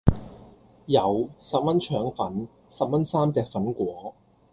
有,十蚊腸粉,十蚊三隻粉果